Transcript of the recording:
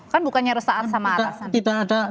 kan bukannya resah sama atasan